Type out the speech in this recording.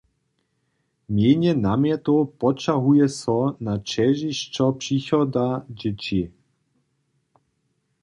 Mjenje namjetow poćahuje so na ćežišćo přichoda dźěći.